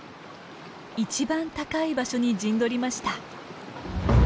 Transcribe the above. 一番高い場所に陣取りました。